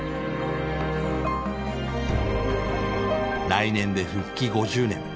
来年で復帰５０年。